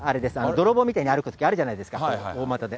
泥棒みたいに歩くのあるじゃないですか、大股で。